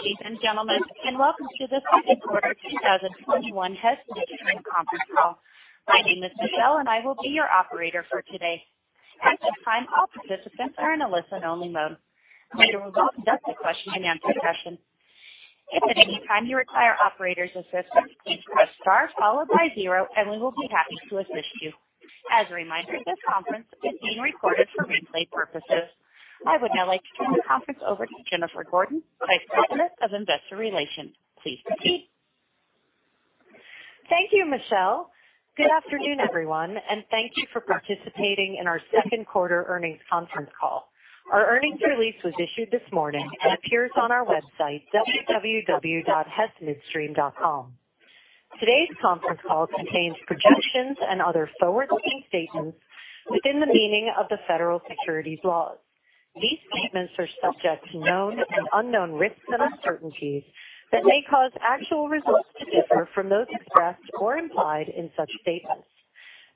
Good day, ladies and gentlemen, and welcome to the second quarter 2021 Hess Midstream conference call. My name is Michelle, and I will be your operator for today. At this time, all participants are in a listen-only mode. We will conduct a question-and-answer session. If at any time you require operator assistance, please press star followed by zero, and we will be happy to assist you. As a reminder, this conference is being recorded for replay purposes. I would now like to turn the conference over to Jennifer Gordon, Vice President of Investor Relations. Please proceed. Thank you, Michelle. Good afternoon, everyone, and thank you for participating in our second quarter earnings conference call. Our earnings release was issued this morning and appears on our website, www.hessmidstream.com. Today's conference call contains projections and other forward-looking statements within the meaning of the federal securities laws. These statements are subject to known and unknown risks and uncertainties that may cause actual results to differ from those expressed or implied in such statements.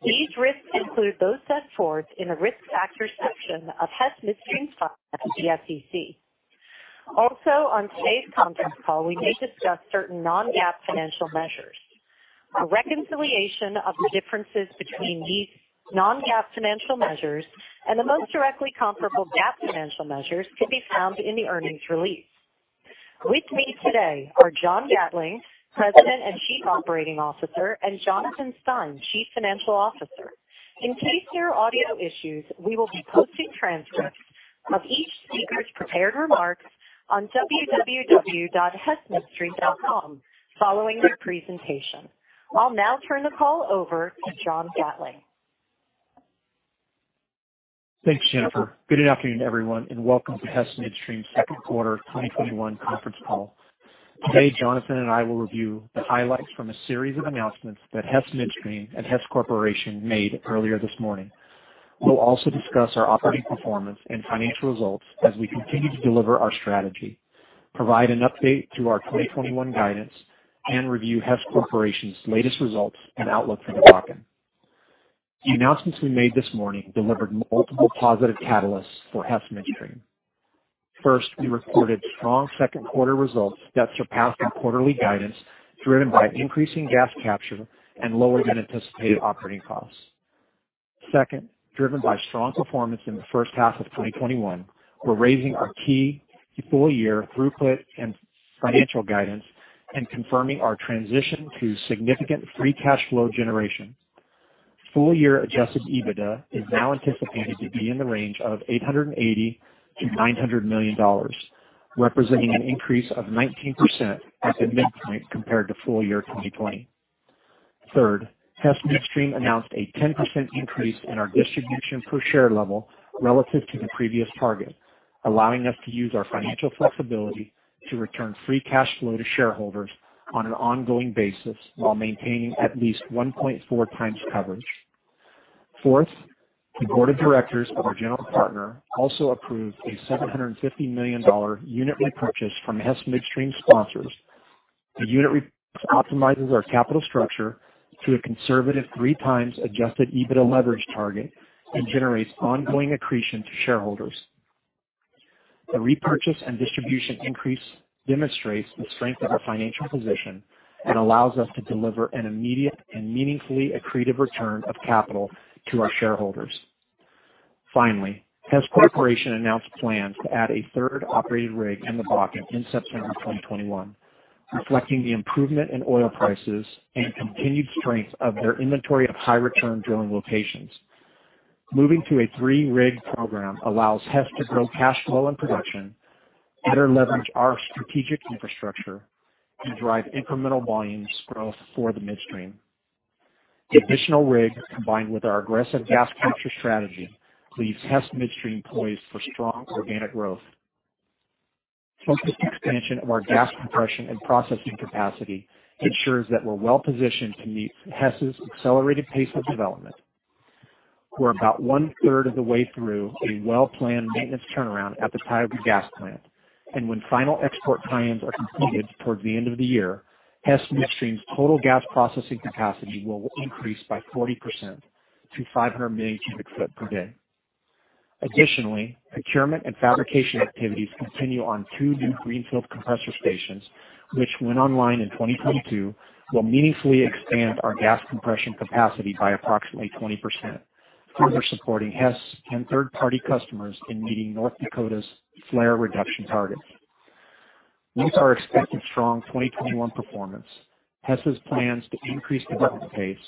These risks include those set forth in the Risk Factors section of Hess Midstream's filings with the SEC. Also, on today's conference call, we may discuss certain non-GAAP financial measures. A reconciliation of the differences between these non-GAAP financial measures and the most directly comparable GAAP financial measures can be found in the earnings release. With me today are John Gatling, President and Chief Operating Officer, and Jonathan Stein, Chief Financial Officer. In case there are audio issues, we will be posting transcripts of each speaker's prepared remarks on www.hessmidstream.com following the presentation. I'll now turn the call over to John Gatling. Thanks, Jennifer. Good afternoon, everyone, and welcome to Hess Midstream's second quarter 2021 conference call. Today, Jonathan and I will review the highlights from a series of announcements that Hess Midstream and Hess Corporation made earlier this morning. We'll also discuss our operating performance and financial results as we continue to deliver our strategy, provide an update to our 2021 guidance, and review Hess Corporation's latest results and outlook for the Bakken. The announcements we made this morning delivered multiple positive catalysts for Hess Midstream. First, we reported strong second quarter results that surpassed our quarterly guidance, driven by increasing gas capture and lower than anticipated operating costs. Second, driven by strong performance in the first half of 2021, we're raising our key full-year throughput and financial guidance and confirming our transition to significant free cash flow generation. Full-year adjusted EBITDA is now anticipated to be in the range of $880 million-$900 million, representing an increase of 19% at the midpoint compared to full year 2020. Third, Hess Midstream announced a 10% increase in our distribution per share level relative to the previous target, allowing us to use our financial flexibility to return free cash flow to shareholders on an ongoing basis while maintaining at least 1.4 times coverage. Fourth, the board of directors of our general partner also approved a $750 million unit repurchase from Hess Midstream sponsors. The unit repurchase optimizes our capital structure to a conservative three times adjusted EBITDA leverage target and generates ongoing accretion to shareholders. The repurchase and distribution increase demonstrates the strength of our financial position and allows us to deliver an immediate and meaningfully accretive return of capital to our shareholders. Finally, Hess Corporation announced plans to add a third operated rig in the Bakken in September 2021, reflecting the improvement in oil prices and continued strength of their inventory of high-return drilling locations. Moving to a three-rig program allows Hess to grow cash flow and production, better leverage our strategic infrastructure, and drive incremental volumes growth for the midstream. The additional rig, combined with our aggressive gas capture strategy, leaves Hess Midstream poised for strong organic growth. Focused expansion of our gas compression and processing capacity ensures that we're well-positioned to meet Hess's accelerated pace of development. We're about one-third of the way through a well-planned maintenance turnaround at the Tioga Gas Plant. When final export tie-ins are completed towards the end of the year, Hess Midstream's total gas processing capacity will increase by 40% to 500 million cubic foot per day. Additionally, procurement and fabrication activities continue on two new greenfield compressor stations, which, when online in 2022, will meaningfully expand our gas compression capacity by approximately 20%, further supporting Hess and third-party customers in meeting North Dakota's flare reduction targets. With our expected strong 2021 performance, Hess's plans to increase development pace,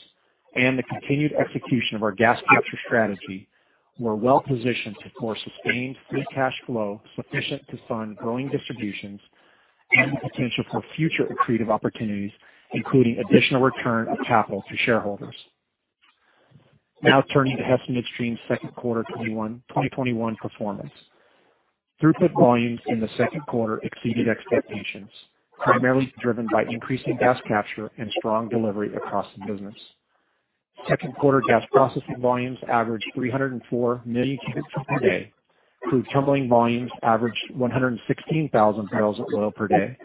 and the continued execution of our gas capture strategy, we're well positioned to pour sustained free cash flow sufficient to fund growing distributions and the potential for future accretive opportunities, including additional return of capital to shareholders. Now turning to Hess Midstream's second quarter 2021 performance. Throughput volumes in the second quarter exceeded expectations, primarily driven by increasing gas capture and strong delivery across the business. Second quarter gas processing volumes averaged 304 million cubic foot per day. Crude terminaling volumes averaged 116,000 barrels of oil per day,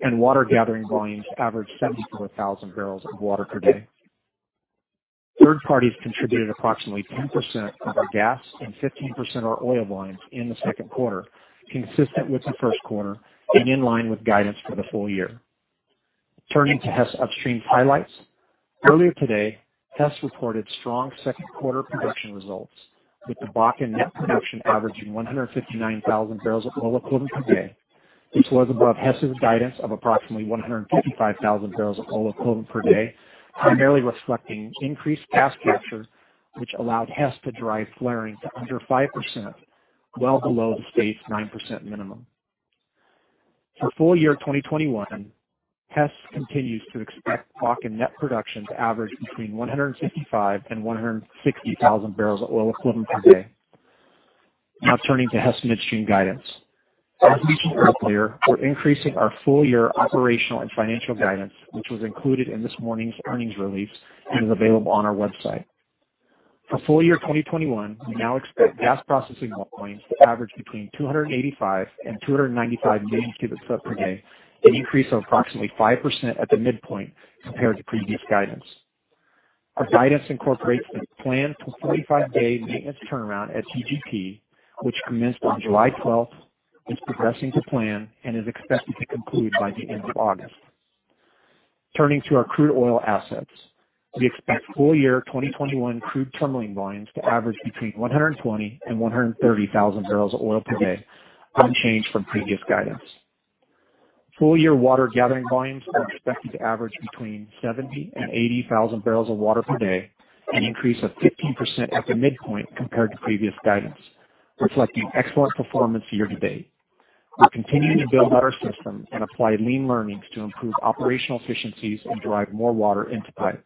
and water gathering volumes averaged 74,000 barrels of water per day. Third parties contributed approximately 10% of our gas and 15% of our oil volumes in the second quarter, consistent with the first quarter and in line with guidance for the full year. Turning to Hess Upstream's highlights. Earlier today, Hess reported strong second quarter production results with the Bakken net production averaging 159,000 barrels of oil equivalent per day, which was above Hess's guidance of approximately 155,000 barrels of oil equivalent per day, primarily reflecting increased gas capture, which allowed Hess to drive flaring to under 5%, well below the state's 9% minimum. For full year 2021, Hess continues to expect Bakken net production to average between 155,000 and 160,000 barrels of oil equivalent per day. Now turning to Hess Midstream guidance. As we shared earlier, we're increasing our full year operational and financial guidance, which was included in this morning's earnings release and is available on our website. For full year 2021, we now expect gas processing volume to average between 285 and 295 million cubic foot per day, an increase of approximately 5% at the midpoint compared to previous guidance. Our guidance incorporates a planned 45-day maintenance turnaround at TGP, which commenced on July 12th, is progressing to plan, and is expected to conclude by the end of August. Turning to our crude oil assets. We expect full year 2021 crude terminaling volumes to average between 120,000 and 130,000 barrels of oil per day, unchanged from previous guidance. Full year water gathering volumes are expected to average between 70,000 and 80,000 barrels of water per day, an increase of 15% at the midpoint compared to previous guidance, reflecting excellent performance year to date. We're continuing to build out our systems and apply lean learnings to improve operational efficiencies and drive more water into pipe.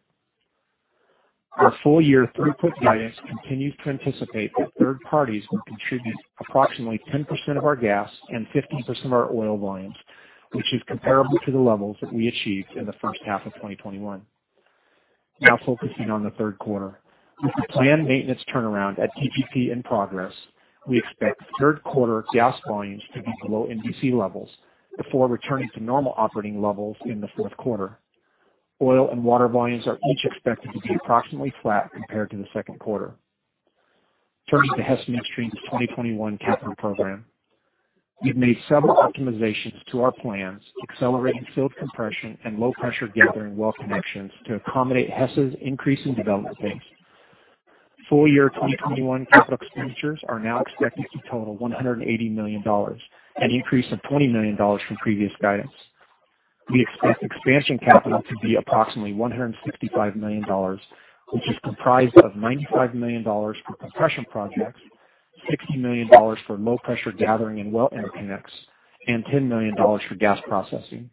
Our full year throughput guidance continues to anticipate that third parties will contribute approximately 10% of our gas and 15% of our oil volumes, which is comparable to the levels that we achieved in the first half of 2021. Now focusing on the third quarter. With the planned maintenance turnaround at TGP in progress, we expect third quarter gas volumes to be below MVC levels before returning to normal operating levels in the fourth quarter. Oil and water volumes are each expected to be approximately flat compared to the second quarter. Turning to Hess Midstream's 2021 capital program. We've made several optimizations to our plans, accelerating field compression and low pressure gathering well connections to accommodate Hess's increasing development pace. Full year 2021 capital expenditures are now expected to total $180 million, an increase of $20 million from previous guidance. We expect expansion capital to be approximately $165 million, which is comprised of $95 million for compression projects, $60 million for low pressure gathering and well interconnects, and $10 million for gas processing.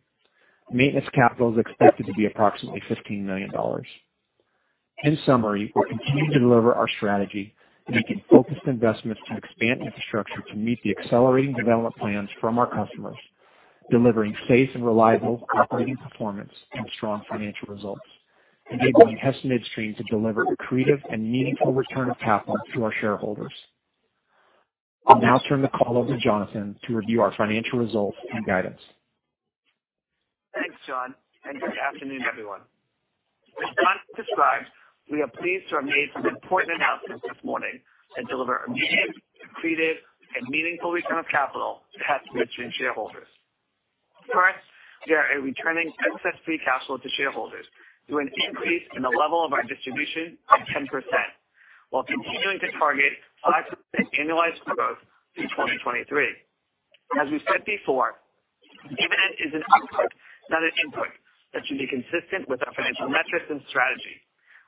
Maintenance capital is expected to be approximately $15 million. In summary, we're continuing to deliver our strategy, making focused investments to expand infrastructure to meet the accelerating development plans from our customers, delivering safe and reliable operating performance and strong financial results, enabling Hess Midstream to deliver accretive and meaningful return of capital to our shareholders. I'll now turn the call over to Jonathan to review our financial results and guidance. Thanks, Sean, and good afternoon, everyone. As John described, we are pleased to have made some important announcements this morning and deliver accretive and meaningful return of capital to Hess Midstream shareholders. First, we are returning excess free capital to shareholders through an increase in the level of our distribution of 10% while continuing to target 5% annualized growth through 2023. As we said before, dividend is an output, not an input that should be consistent with our financial metrics and strategy.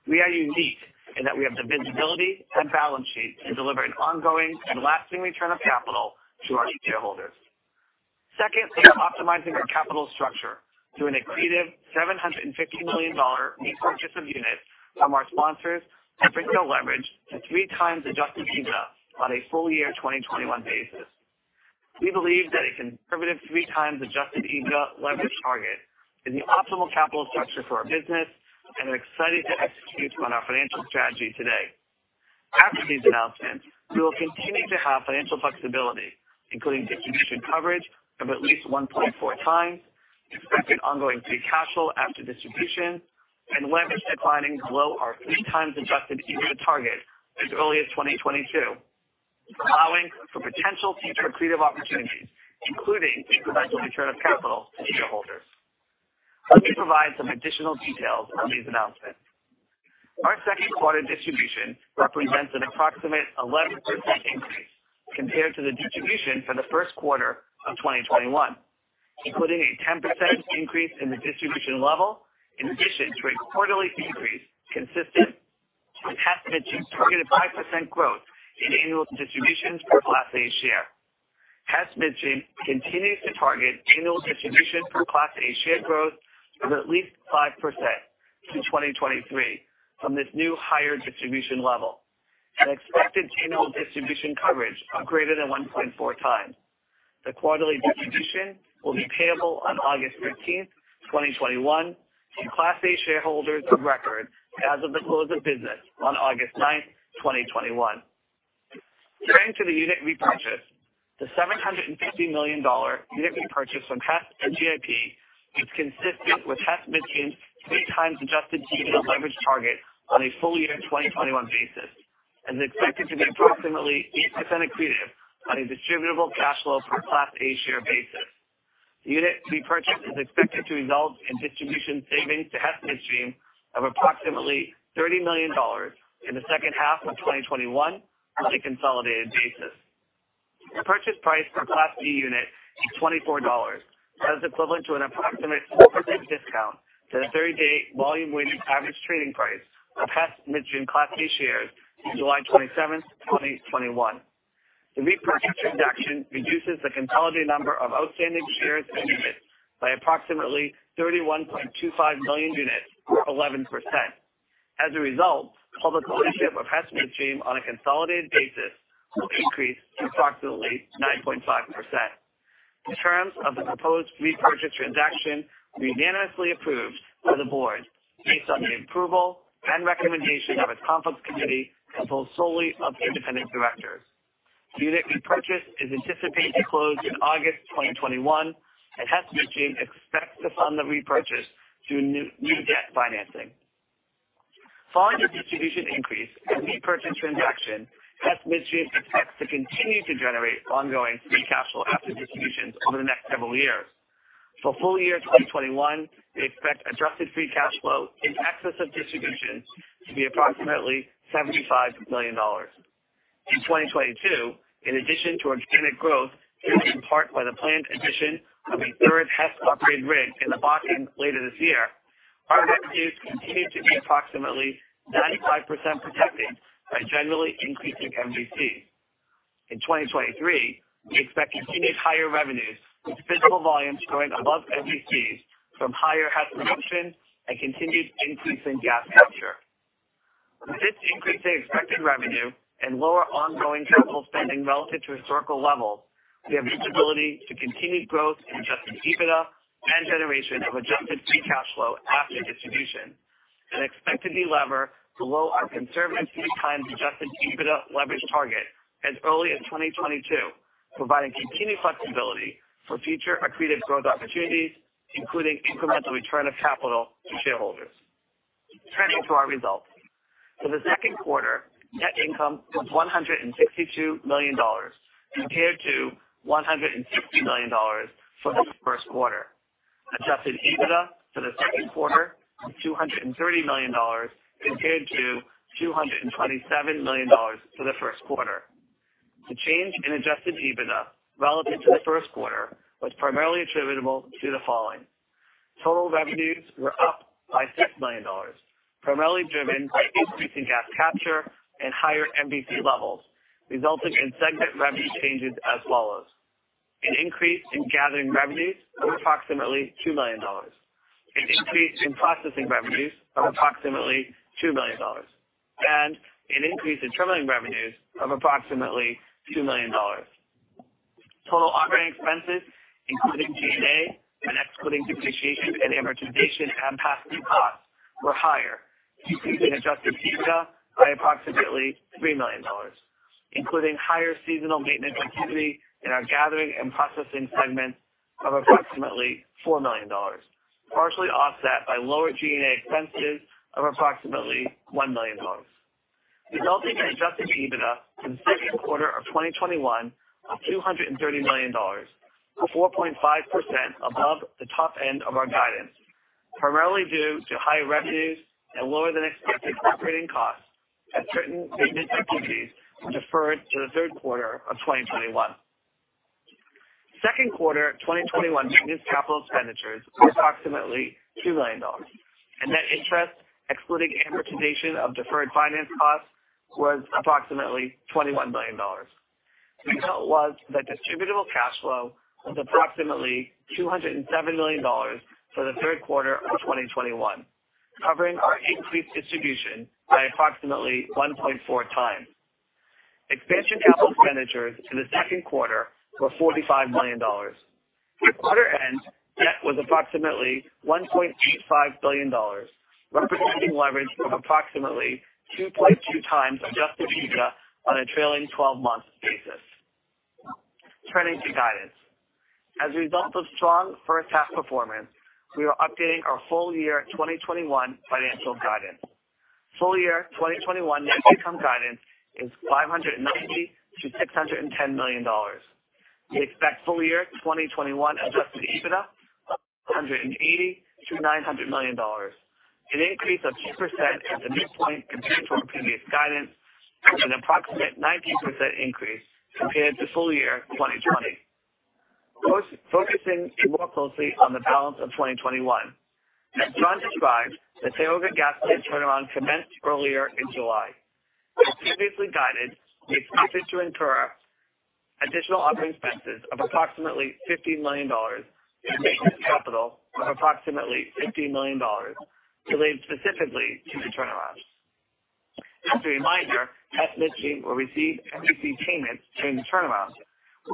We are unique in that we have the visibility and balance sheet to deliver an ongoing and lasting return of capital to our shareholders. Second, we are optimizing our capital structure through an accretive $750 million repurchase of units from our sponsors and reducing leverage to 3 times adjusted EBITDA on a full year 2021 basis. We believe that a conservative 3 times adjusted EBITDA leverage target is the optimal capital structure for our business and are excited to execute on our financial strategy today. After these announcements, we will continue to have financial flexibility, including distribution coverage of at least 1.4 times, expected ongoing free cash flow after distribution, and leverage declining below our 3 times adjusted EBITDA target as early as 2022, allowing for potential future accretive opportunities, including incremental return of capital to shareholders. Let me provide some additional details on these announcements. Our second quarter distribution represents an approximate 11% increase compared to the distribution for the first quarter of 2021, including a 10% increase in the distribution level in addition to a quarterly fee increase consistent with Hess Midstream's targeted 5% growth in annual distributions per Class A share. Hess Midstream continues to target annual distribution per Class A share growth of at least 5% through 2023 from this new higher distribution level, and expected annual distribution coverage of greater than 1.4 times. The quarterly distribution will be payable on August 15th, 2021 to Class A shareholders of record as of the close of business on August 9th, 2021. Turning to the unit repurchase, the $750 million unit repurchase from Hess and GIP is consistent with Hess Midstream's 3 times adjusted EBITDA leverage target on a full year 2021 basis and is expected to be approximately 8% accretive on a distributable cash flow per Class A share basis. The unit repurchase is expected to result in distribution savings to Hess Midstream of approximately $30 million in the second half of 2021 on a consolidated basis. The purchase price per Class B unit is $24. That is equivalent to an approximate 4% discount to the 30-day volume-weighted average trading price for Hess Midstream Class B shares on July 27th, 2021. The repurchase transaction reduces the consolidated number of outstanding shares and units by approximately 31.25 million units or 11%. As a result, public ownership of Hess Midstream on a consolidated basis will increase to approximately 9.5%. The terms of the proposed repurchase transaction were unanimously approved by the board based on the approval and recommendation of its conflicts committee, composed solely of independent directors. The unit repurchase is anticipated to close in August 2021, and Hess Midstream expects to fund the repurchase through new debt financing. Following the distribution increase and repurchase transaction, Hess Midstream expects to continue to generate ongoing free cash flow after distributions over the next several years. For full year 2021, we expect adjusted free cash flow in excess of distributions to be approximately $75 million. In 2022, in addition to organic growth, driven in part by the planned addition of a third Hess-operated rig in the Bakken later this year, our revenues continue to be approximately 95% protected by generally increasing MVC. In 2023, we expect continued higher revenues with physical volumes growing above MVCs from higher Hess production and continued increase in gas capture. With this increase in expected revenue and lower ongoing capital spending relative to historical levels, we have visibility to continued growth in adjusted EBITDA and generation of adjusted free cash flow after distribution and expect to delever below our conservative 3x adjusted EBITDA leverage target as early as 2022, providing continued flexibility for future accretive growth opportunities, including incremental return of capital to shareholders. Turning to our results. For the second quarter, net income was $162 million compared to $150 million for the first quarter. Adjusted EBITDA for the second quarter was $230 million compared to $227 million for the first quarter. The change in adjusted EBITDA relative to the first quarter was primarily attributable to the following. Total revenues were up by $6 million, primarily driven by increasing gas capture and higher MVC levels, resulting in segment revenue changes as follows: an increase in gathering revenues of approximately $2 million, an increase in processing revenues of approximately $2 million, and an increase in terminals revenues of approximately $2 million. Total operating expenses, including G&A and excluding depreciation and amortization and past due costs, were higher, increasing adjusted EBITDA by approximately $3 million, including higher seasonal maintenance activity in our gathering and processing segments of approximately $4 million, partially offset by lower G&A expenses of approximately $1 million, resulting in adjusted EBITDA for the second quarter of 2021 of $230 million or 4.5% above the top end of our guidance, primarily due to higher revenues and lower than expected operating costs as certain maintenance activities were deferred to the third quarter of 2021. Second quarter 2021 maintenance capital expenditures were approximately $2 million. Net interest, excluding amortization of deferred finance costs, was approximately $21 million. The result was that distributable cash flow was approximately $207 million for the third quarter of 2021, covering our increased distribution by approximately 1.4 times. Expansion capital expenditures in the second quarter were $45 million. At quarter end, debt was approximately $1.85 billion, representing leverage of approximately 2.2x adjusted EBITDA on a trailing 12-month basis. Turning to guidance. As a result of strong first half performance, we are updating our full year 2021 financial guidance. Full year 2021 net income guidance is $590 million-$610 million. We expect full year 2021 adjusted EBITDA of $880 million-$900 million, an increase of 2% at the midpoint compared to our previous guidance and an approximate 19% increase compared to full year 2020. Focusing more closely on the balance of 2021. As John described, the Tioga gas plant turnaround commenced earlier in July. As previously guided, we expected to incur additional operating expenses of approximately $15 million and maintenance capital of approximately $15 million related specifically to the turnaround. Just a reminder, Hess Midstream will receive MVC payments during the turnaround.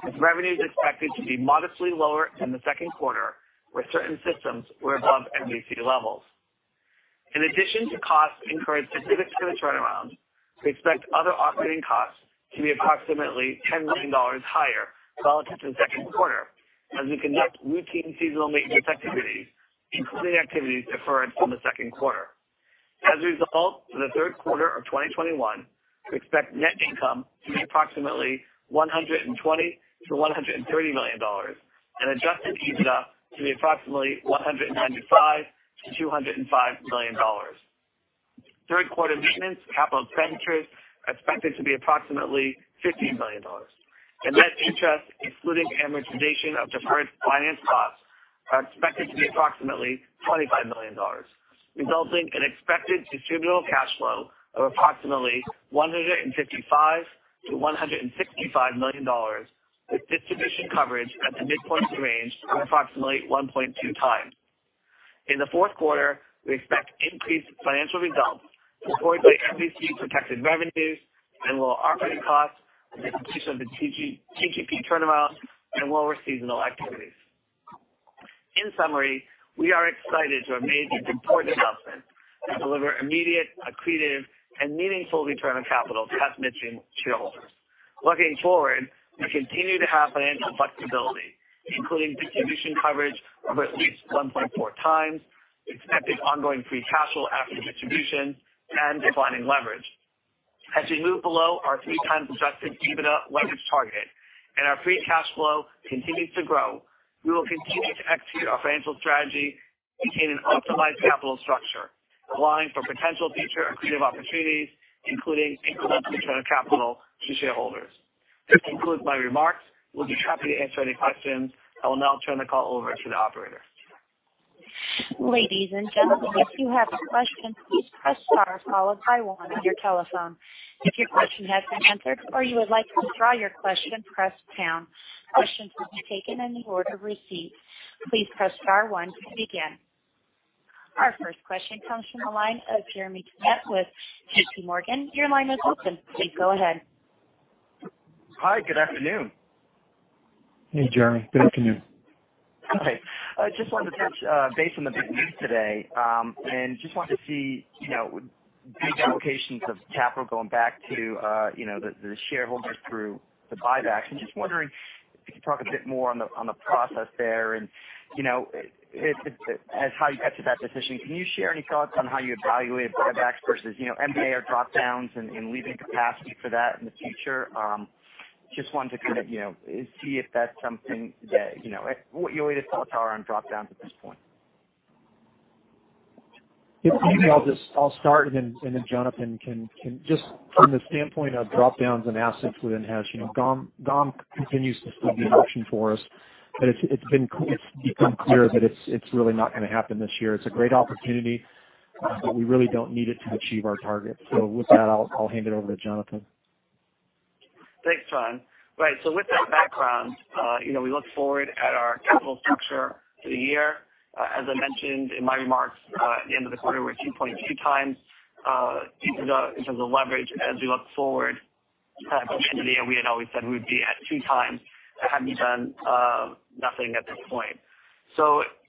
Its revenue is expected to be modestly lower than the second quarter, where certain systems were above MVC levels. In addition to costs incurred specific to this turnaround, we expect other operating costs to be approximately $10 million higher relative to the second quarter as we conduct routine seasonal maintenance activities, including activities deferred from the second quarter. As a result, for the third quarter of 2021, we expect net income to be approximately $120 million to $130 million and adjusted EBITDA to be approximately $195 million to $205 million. Third quarter maintenance capital expenditures are expected to be approximately $15 million, and net interest excluding amortization of deferred finance costs are expected to be approximately $25 million, resulting in expected distributable cash flow of approximately $155 million to $165 million, with distribution coverage at the midpoint of the range of approximately 1.2 times. In the fourth quarter, we expect increased financial results supported by MVC-protected revenues and lower operating costs with the completion of the TGP turnaround and lower seasonal activities. In summary, we are excited to have made these important investments to deliver immediate accretive and meaningful return on capital to Hess Midstream shareholders. Looking forward, we continue to have financial flexibility, including distribution coverage of at least 1.4 times, expected ongoing free cash flow after distribution, and declining leverage. As we move below our 3x adjusted EBITDA leverage target and our free cash flow continues to grow, we will continue to execute our financial strategy to maintain an optimized capital structure, allowing for potential future accretive opportunities, including incremental return of capital to shareholders. This concludes my remarks. We will be happy to answer any questions. I will now turn the call over to the operator. Ladies and gentlemen, if you have a question, please press star followed by one on your telephone. If your question has been answered or you would like to withdraw your question, press pound. Questions will be taken in the order received. Please press star one to begin. Our first question comes from the line of Jeremy Asher with JPMorgan. Your line is open. Please go ahead. Hi. Good afternoon. Hey, Jeremy. Good afternoon. Just wanted to touch base on the big news today, and just wanted to see the big allocations of capital going back to the shareholders through the buybacks, and just wondering if you could talk a bit more on the process there and as how you got to that decision. Can you share any thoughts on how you evaluated buybacks versus M&A or drop-downs and leaving capacity for that in the future? Just wanted to kind of see if that's something that what your latest thoughts are on drop-downs at this point. If you will, I'll start, and then Jonathan can. Just from the standpoint of drop-downs and assets within Hess, GOM continues to still be an option for us. It's become clear that it's really not going to happen this year. It's a great opportunity, but we really don't need it to achieve our targets. With that, I'll hand it over to Jonathan. Thanks, John. Right. With that background, we look forward at our capital structure for the year. As I mentioned in my remarks at the end of the quarter, we're at 2.2 times in terms of leverage as we look forward to the end of the year. We had always said we would be at two times had we done nothing at this point.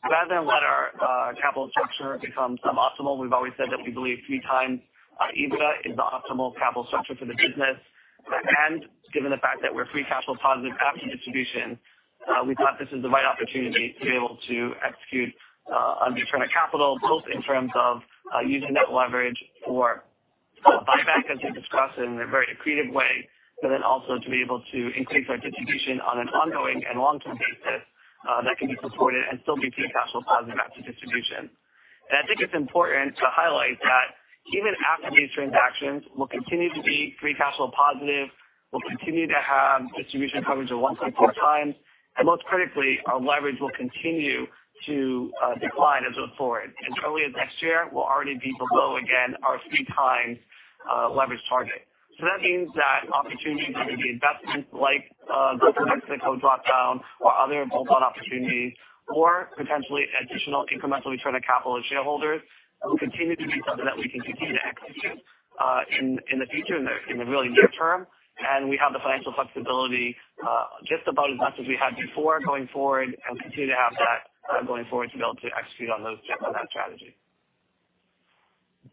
Rather than let our capital structure become suboptimal, we've always said that we believe three times EBITDA is the optimal capital structure for the business. Given the fact that we're free cash flow positive after distribution, we thought this was the right opportunity to be able to execute on return of capital, both in terms of using net leverage for buyback, as we discussed, in a very accretive way, also to be able to increase our distribution on an ongoing and long-term basis that can be supported and still be free cash flow positive after distribution. I think it's important to highlight that even after these transactions, we'll continue to be free cash flow positive. We'll continue to have distribution coverage of 1.4 times. Most critically, our leverage will continue to decline as we look forward. As early as next year, we'll already be below, again, our three-times leverage target. That means that opportunities, whether it be investments like Gulf of Mexico drop-down or other bolt-on opportunities or potentially additional incremental return of capital to shareholders, will continue to be something that we can continue to execute in the future, in the really near term. We have the financial flexibility just about as much as we had before going forward and continue to have that going forward to be able to execute on that strategy.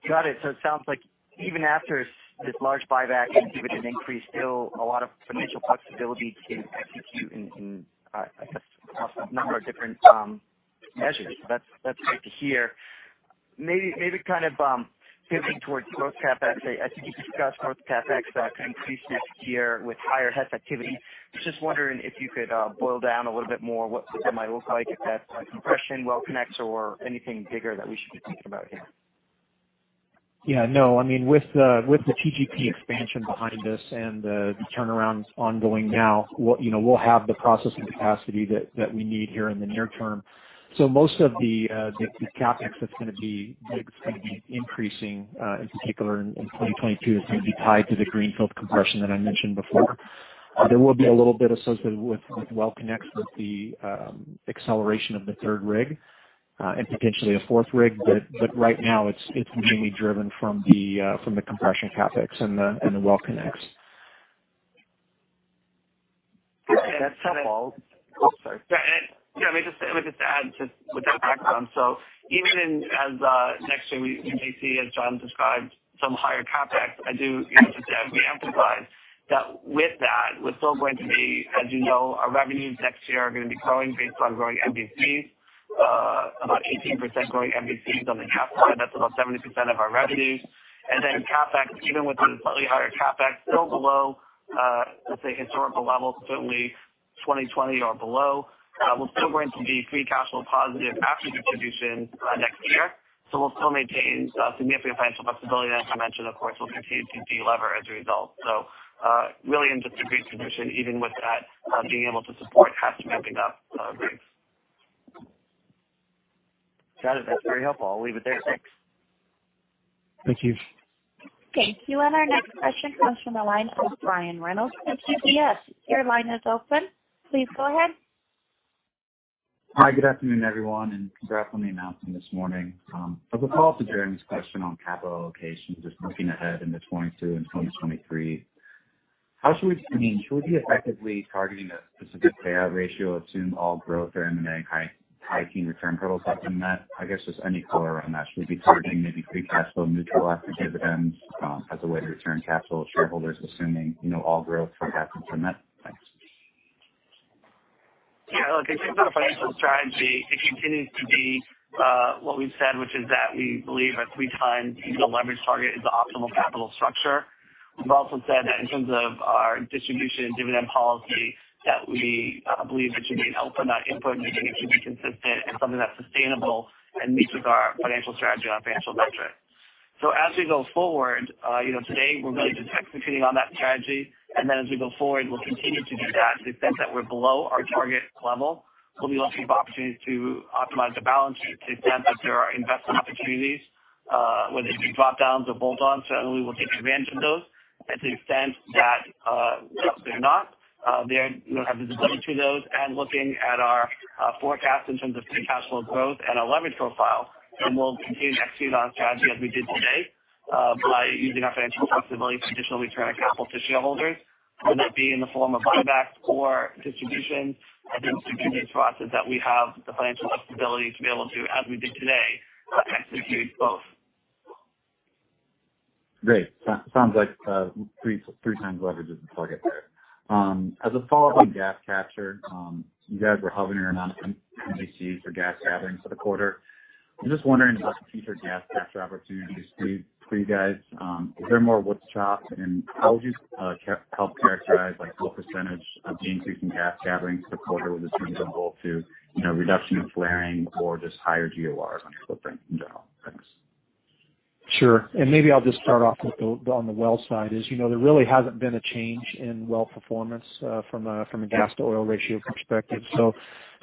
Got it. It sounds like even after this large buyback and dividend increase, still a lot of financial flexibility to execute in, I guess, a number of different measures. That's great to hear. Maybe kind of pivoting towards growth CapEx. I think you discussed growth CapEx increase next year with higher Hess activity. I was just wondering if you could boil down a little bit more what that might look like. If that's compression, well connects, or anything bigger that we should be thinking about here. Yeah, no. With the TGP expansion behind us and the turnarounds ongoing now, we'll have the processing capacity that we need here in the near term. Most of the CapEx that's going to be increasing, in particular in 2022, is going to be tied to the greenfield compression that I mentioned before. There will be a little bit associated with well connects with the acceleration of the third rig and potentially a fourth rig. But right now it's mainly driven from the compression CapEx and the well connects. Oh, sorry. Yeah. Let me just add with that background. Even in as next year, we may see, as John described, some higher CapEx. I do reemphasize that with that, we're still going to be, as you know, our revenues next year are going to be growing based on growing MVCs, about 18% growing MVCs on the cash side, that's about 70% of our revenue. CapEx, even with the slightly higher CapEx, still below, let's say, historical levels, certainly 2020 or below. We're still going to be free cash flow positive after distribution next year. We'll still maintain significant financial flexibility. As I mentioned, of course, we'll continue to de-lever as a result. Really in just a great position even with that being able to support Hess ramping up rigs. Got it. That's very helpful. I'll leave it there. Thanks. Thank you. Thank you. Our next question comes from the line of Brian Reynolds from UBS. Your line is open. Please go ahead. Hi, good afternoon, everyone, and congrats on the announcement this morning. As a follow-up to Jeremy's question on capital allocation, just looking ahead into 2022 and 2023, should we be effectively targeting a specific payout ratio, assume all growth or M&A hiking return hurdles up from that? I guess just any color around that. Should we be targeting maybe free cash flow neutral after dividends as a way to return capital to shareholders, assuming all growth sort of happens from that? Thanks. Yeah. Look, in terms of our financial strategy, it continues to be what we've said, which is that we believe a 3 times EBITDA leverage target is the optimal capital structure. We've also said that in terms of our distribution and dividend policy, that we believe it should be an output, not input, meaning it should be consistent and something that's sustainable and meets with our financial strategy and financial metrics. As we go forward, today we're really just executing on that strategy. As we go forward, we'll continue to do that to the extent that we're below our target level. We'll be looking for opportunities to optimize the balance sheet to the extent that there are investment opportunities, whether it be drop-downs or bolt-ons. Certainly, we'll take advantage of those. To the extent that they're not, we don't have visibility to those. Looking at our forecast in terms of free cash flow growth and our leverage profile, we'll continue to execute on strategy as we did today, by using our financial flexibility to additionally return our capital to shareholders, whether that be in the form of buybacks or distributions. I think it's strategic to us is that we have the financial flexibility to be able to, as we did today, execute both. Great. Sounds like 3 times leverage is the target there. As a follow-up on gas capture, you guys were hovering around MVCs for gas gatherings for the quarter. I'm just wondering about the future gas capture opportunities for you guys. Is there more wood to chop? How would you help characterize, what % of the increasing gas gathering for the quarter was attributable to reduction of flaring or just higher GORs on your footprint in general? Thanks. Sure. Maybe I'll just start off on the well side is, there really hasn't been a change in well performance from a gas to oil ratio perspective.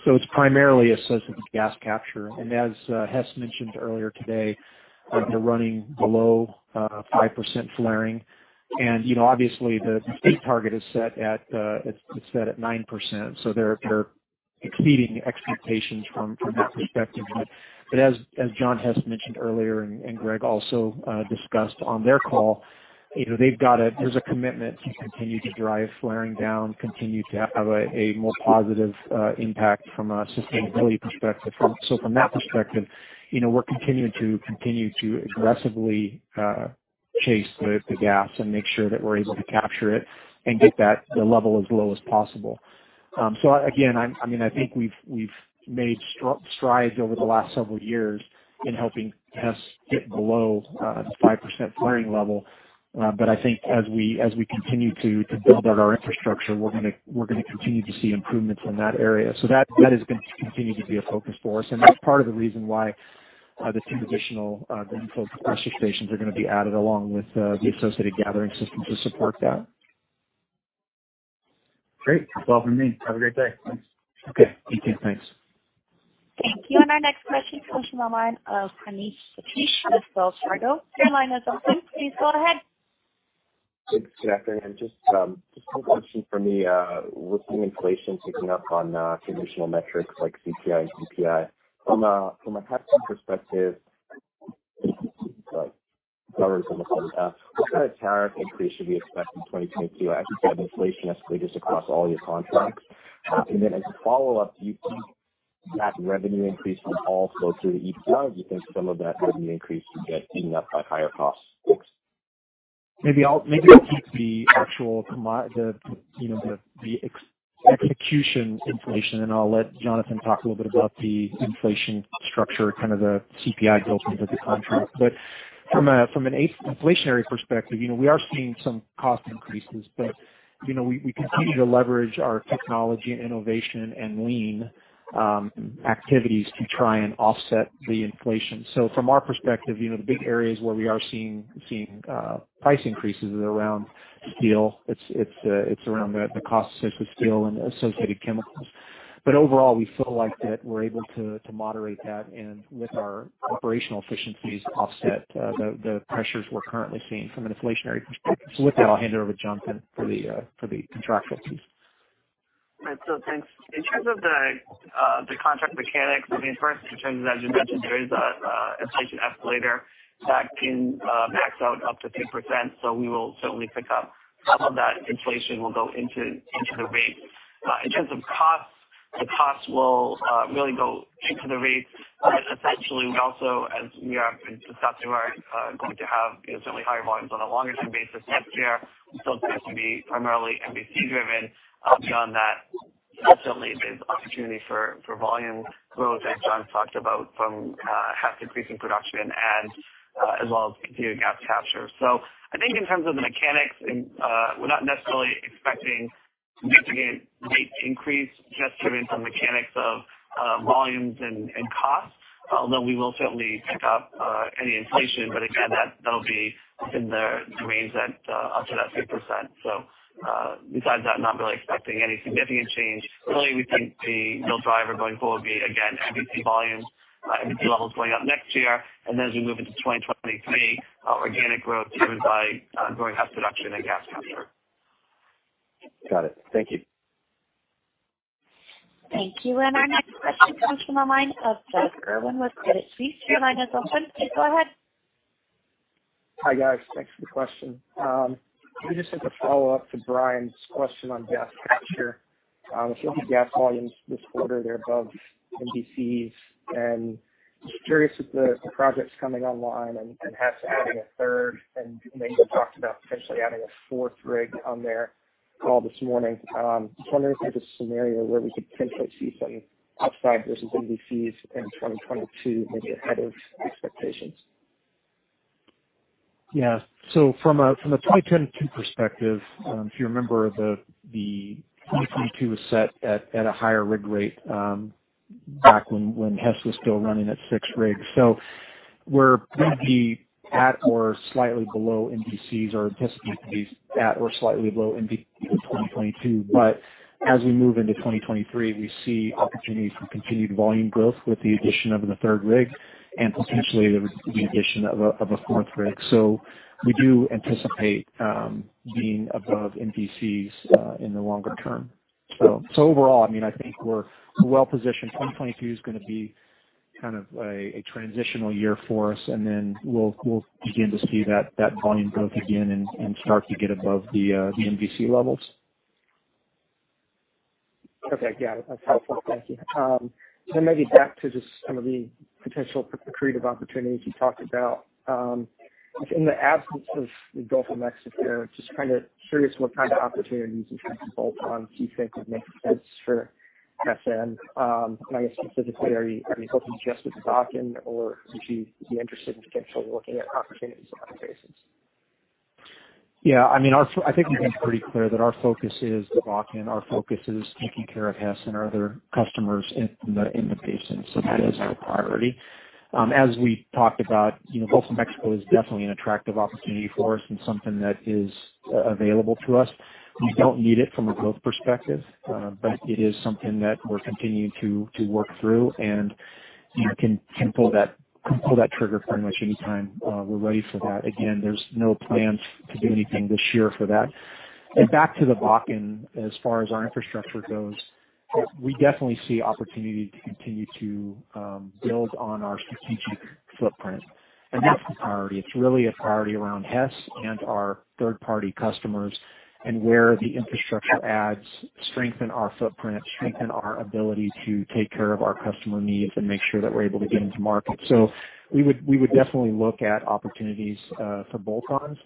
It's primarily associated with gas capture. As Hess mentioned earlier today, they're running below 5% flaring. Obviously the state target is set at 9%. They're exceeding expectations from that perspective. As John Hess mentioned earlier and Greg also discussed on their call, there's a commitment to continue to drive flaring down, continue to have a more positive impact from a sustainability perspective. From that perspective, we're continuing to aggressively chase the gas and make sure that we're able to capture it and get that the level as low as possible. Again, I think we've made strides over the last several years in helping Hess get below the 5% flaring level. I think as we continue to build out our infrastructure, we're going to continue to see improvements in that area. That is going to continue to be a focus for us, and that's part of the reason why the two additional greenfield compressor stations are going to be added along with the associated gathering system to support that. Great. That's all from me. Have a great day. Thanks. Okay. You too. Thanks. Thank you. Our next question comes from the line of Praneeth Satish with Wells Fargo. Your line is open. Please go ahead. Good afternoon. Just one question from me. With the inflation ticking up on traditional metrics like CPI and PPI, from a Hess perspective, what kind of tariff increase should we expect in 2022 as you have inflation escalators across all your contracts? As a follow-up, do you think that revenue increase will all flow through to EBITDA? Do you think some of that revenue increase will get eaten up by higher costs? Thanks. Maybe I'll take the actual execution inflation, and I'll let Jonathan talk a little bit about the inflation structure, kind of the CPI built into the contract. From an inflationary perspective, we are seeing some cost increases, but we continue to leverage our technology and innovation and lean activities to try and offset the inflation. From our perspective, the big areas where we are seeing price increases is around steel. It's around the cost associated with steel and associated chemicals. Overall, we feel like that we're able to moderate that and with our operational efficiencies, offset the pressures we're currently seeing from an inflationary perspective. With that, I'll hand it over to Jonathan for the contractual piece. Right. Thanks. In terms of the contract mechanics, I mean, first, in terms of, as you mentioned, there is an inflation escalator that can max out up to 2%. We will certainly pick up some of that inflation will go into the rate. In terms of costs. The costs will really go into the rates. Essentially, we also, as we have been discussing, are going to have certainly higher volumes on a longer-term basis next year. Those seem to be primarily MVC driven. Beyond that, certainly there's opportunity for volume growth, as John talked about, from Hess increasing production as well as continuing gas capture. I think in terms of the mechanics, we're not necessarily expecting a significant rate increase just given some mechanics of volumes and costs, although we will certainly pick up any inflation. Again, that'll be within the range up to that 6%. Besides that, not really expecting any significant change. Really, we think the real driver going forward will be, again, MVC volume, MVC levels going up next year. As we move into 2023, organic growth driven by growing Hess production and gas capture. Got it. Thank you. Thank you. Our next question comes from the line of Douglas Irwin with Credit Suisse. Your line is open. Please go ahead. Hi, guys. Thanks for the question. I just have a follow-up to Brian's question on gas capture. Looking at gas volumes this quarter, they're above MVCs, and just curious if the projects coming online and Hess adding a third, and I know you talked about potentially adding a fourth rig on their call this morning. Just wondering if there's a scenario where we could potentially see something outside versus MVCs in 2022, maybe ahead of expectations. Yeah. From a 2022 perspective, if you remember, the 2022 was set at a higher rig rate back when Hess was still running at six rigs. We're going to be at or slightly below MVCs or anticipated to be at or slightly below MVCs in 2022. But as we move into 2023, we see opportunities for continued volume growth with the addition of the third rig and potentially the addition of a fourth rig. We do anticipate being above MVCs in the longer term. Overall, I think we're well-positioned. 2022 is going to be a transitional year for us, and then we'll begin to see that volume growth again and start to get above the MVC levels. Got it. That's helpful. Thank you. Maybe back to just some of the potential accretive opportunities you talked about. In the absence of the Gulf of Mexico here, just kind of curious what kind of opportunities in terms of bolt-ons do you think would make sense for SN? I guess specifically, are you focusing just with the Bakken or would you be interested in potentially looking at opportunities in the Permian Basin? Yeah. I think we've been pretty clear that our focus is the Bakken. Our focus is taking care of Hess and our other customers in the Permian Basin. That is our priority. As we talked about, Gulf of Mexico is definitely an attractive opportunity for us and something that is available to us. We don't need it from a growth perspective, but it is something that we're continuing to work through, and we can pull that trigger pretty much any time we're ready for that. Again, there's no plans to do anything this year for that. Back to the Bakken, as far as our infrastructure goes, we definitely see opportunity to continue to build on our strategic footprint, and that's a priority. It's really a priority around Hess and our third-party customers and where the infrastructure adds strengthen our footprint, strengthen our ability to take care of our customer needs and make sure that we're able to get into market. We would definitely look at opportunities for bolt-ons.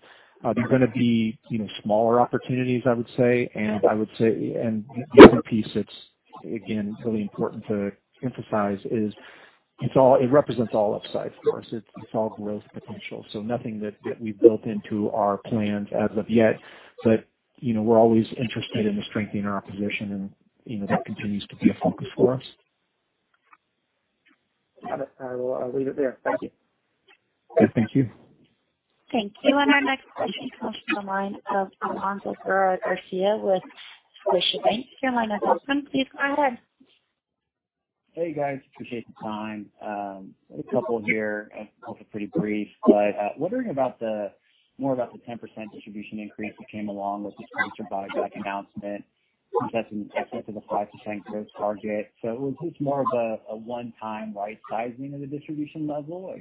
They're going to be smaller opportunities, I would say. The other piece that's, again, really important to emphasize is it represents all upsides for us. It's all growth potential. Nothing that we've built into our plans as of yet. We're always interested in strengthening our position, and that continues to be a focus for us. Got it. I will leave it there. Thank you. Yeah. Thank you. Thank you. Our next question comes from the line of Alonso Guerra-Garcia with Mizuho. Your line is open. Please go ahead. Hey, guys. Appreciate the time. A couple here, both are pretty brief. Wondering more about the 10% distribution increase that came along with this monster buyback announcement. Hess has an effective 5% growth target. Was this more of a one-time right-sizing of the distribution level?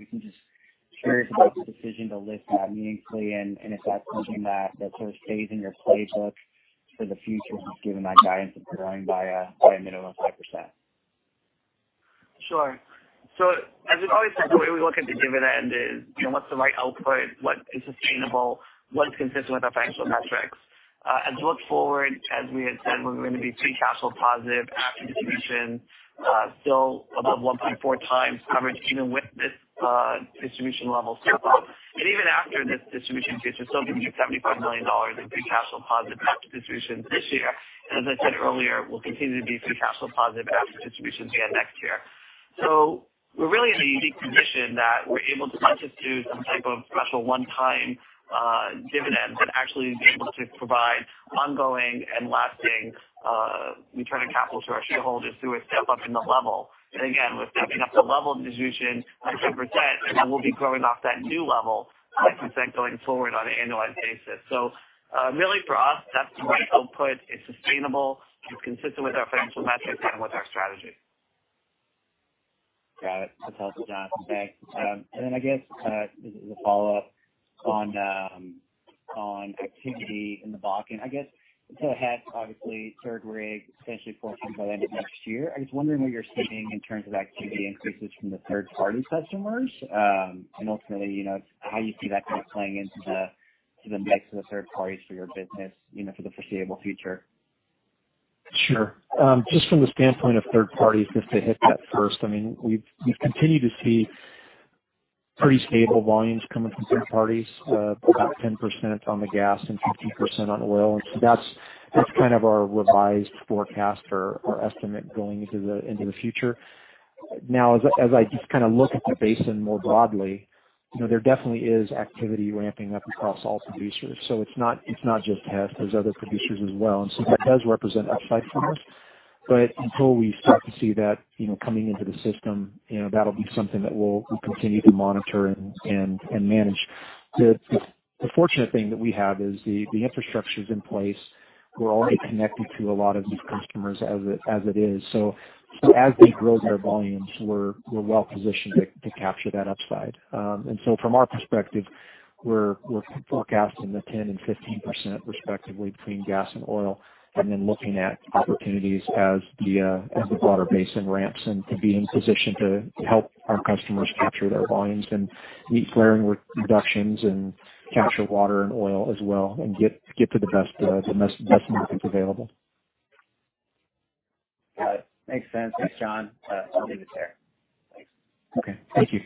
Curious about the decision to lift that meaningfully and if that's something that sort of stays in your playbook for the future, just given that guidance of growing by a minimum of 5%? Sure. As we've always said, the way we look at the dividend is what's the right output, what is sustainable, what's consistent with our financial metrics? As we look forward, as we had said, we're going to be free capital positive after distribution, still above 1.4 times coverage even with this distribution level step-up. Even after this distribution increase, we're still going to be $75 million in free capital positive after distributions this year. As I said earlier, we'll continue to be free capital positive after distributions again next year. We're really in a unique position that we're able to not just do some type of special one-time dividend, but actually be able to provide ongoing and lasting return of capital to our shareholders through a step-up in the level. Again, we're stepping up the level of distribution by 10%. We'll be growing off that new level 10% going forward on an annualized basis. Really for us, that's the right output. It's sustainable. It's consistent with our financial metrics and with our strategy. Got it. That's helpful, John. Thanks. I guess this is a follow-up on activity in the Bakken. I guess until Hess, obviously, third rig, potentially fourth rig by the end of next year, I was wondering what you're seeing in terms of activity increases from the third-party customers. Ultimately, how you see that kind of playing into the mix of the third parties for your business for the foreseeable future. Sure. Just from the standpoint of third parties, just to hit that first, we've continued to see pretty stable volumes coming from third parties, about 10% on the gas and 15% on oil. That's kind of our revised forecast or our estimate going into the future. Now, as I just kind of look at the basin more broadly, there definitely is activity ramping up across all producers. It's not just Hess. There's other producers as well. That does represent upside for us. Until we start to see that coming into the system, that'll be something that we'll continue to monitor and manage. The fortunate thing that we have is the infrastructure's in place. We're already connected to a lot of these customers as it is. As they grow their volumes, we're well-positioned to capture that upside. From our perspective, we're forecasting the 10% and 15% respectively between gas and oil, and then looking at opportunities as the broader basin ramps and to be in position to help our customers capture their volumes and meet flaring reductions and capture water and oil as well, and get to the best outcomes available. Got it. Makes sense. Thanks, John. I'll leave it there. Thanks. Okay. Thank you.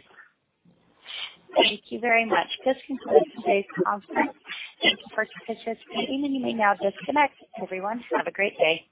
Thank you very much. This concludes today's conference. Thank you for participating, and you may now disconnect. Everyone, have a great day.